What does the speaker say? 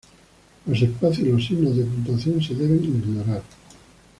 Los espacios y los signos de puntuación se deben ignorar.